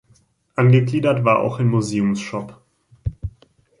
Angegliedert war auch ein Museumsshop.